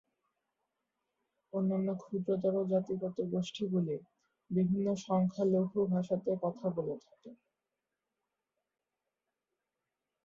অন্যান্য ক্ষুদ্রতর জাতিগত গোষ্ঠীগুলি বিভিন্ন সংখ্যালঘু ভাষাতে কথা বলে থাকে।